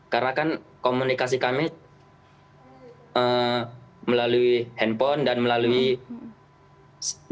karna kan komunikasi kami mereoughi handphone danjut beberapa priza